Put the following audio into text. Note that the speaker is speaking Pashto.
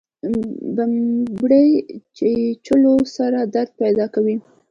بمبړې چیچلو سره درد پیدا کوي